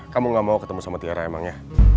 kamu gak mau ketemu sama tiara emang ya